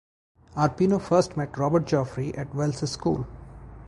Arpino first met Robert Joffrey at Wells's school.